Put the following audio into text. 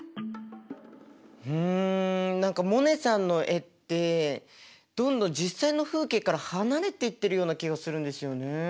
うん何かモネさんの絵ってどんどん実際の風景から離れていってるような気がするんですよね。